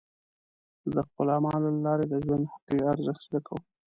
زه د خپلو اعمالو له لارې د ژوند حقیقي ارزښت زده کوم.